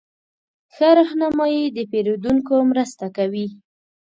ښه رهنمایي د پیرودونکو مرسته کوي.